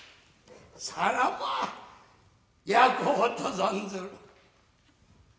さらば焼こうと存ずる。